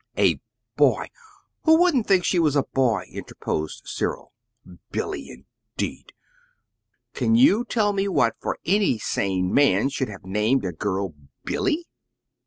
"A boy! Who wouldn't think she was a boy?" interposed Cyril. "'Billy,' indeed! Can you tell me what for any sane man should have named a girl 'Billy'?"